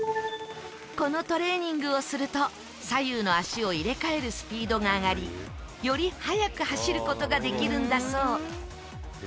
このトレーニングをすると左右の足を入れ替えるスピードが上がりより速く走る事ができるんだそう。